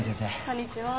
こんにちは。